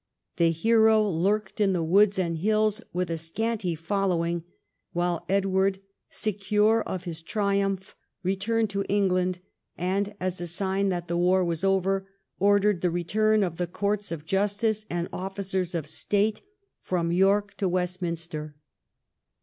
The hero lurked in the woods and hills with a scanty following, while Edward, secure of his triumph, returned to England, and, as a sign that the Avar was over, ordered the return of the courts of justice and officers of state from York to Westminster.